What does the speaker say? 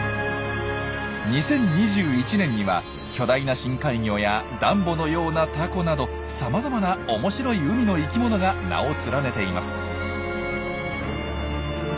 ２０２１年には巨大な深海魚やダンボのようなタコなどさまざまな面白い海の生きものが名を連ねています。